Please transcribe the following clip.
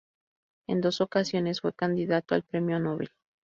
En dos ocasiones fue candidato al premio Nobel.